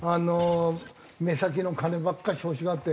目先の金ばっかし欲しがって。